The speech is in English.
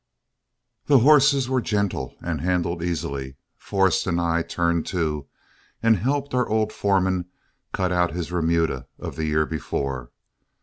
The horses were gentle and handled easily. Forrest and I turned to and helped our old foreman cut out his remuda of the year before.